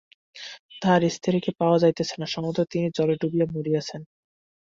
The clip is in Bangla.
তাহার স্ত্রীকে পাওয়া যাইতেছে না, সম্ভবত তিনি জলে ডুবিয়া মরিয়াছেন।